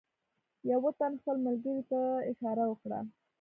یوه تن خپل ملګري ته اشاره وکړه.